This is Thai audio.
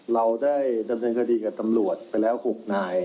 เราได้ดำเนินคดีกับตำรวจไปแล้ว๖นาย